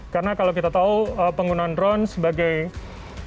karena kalau kita tahu penggunaan drone sebagai alat untuk mengamati serta menjaga kekuasaan rusia